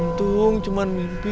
untung cuma mimpi